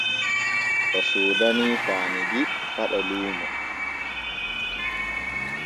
O soodanii Faanugui Faɗo luumo.